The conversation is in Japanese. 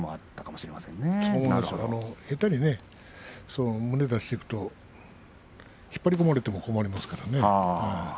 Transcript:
下手に胸を出していくと引っ張り込まれても困りますからね。